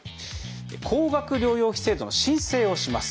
高額療養費制度の申請をします。